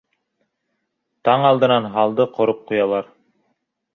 Таң алдынан һалды ҡороп ҡуялар.